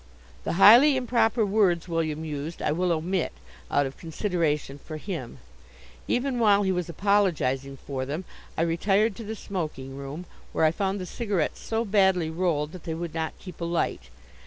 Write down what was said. The highly improper words William used I will omit, out of consideration for him. Even while he was apologizing for them I retired to the smoking room, where I found the cigarettes so badly rolled that they would not keep alight.